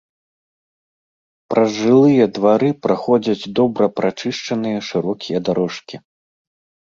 Праз жылыя двары праходзяць добра прачышчаныя шырокія дарожкі.